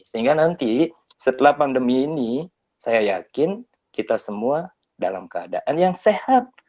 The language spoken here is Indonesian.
sehingga nanti setelah pandemi ini saya yakin kita semua dalam keadaan yang sehat